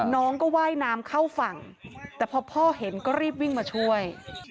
น้องก็ว่ายน้ำเข้าฝั่งแต่พอพ่อเห็นก็รีบวิ่งมาช่วย